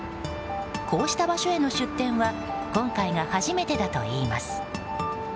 こうした場所への出店は今回が初めてだといいます。